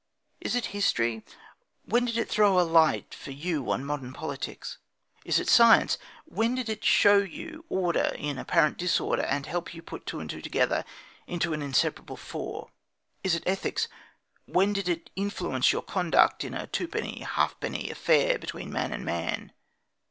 Is it history when did it throw a light for you on modern politics? Is it science when did it show you order in apparent disorder, and help you to put two and two together into an inseparable four? Is it ethics when did it influence your conduct in a twopenny halfpenny affair between man and man?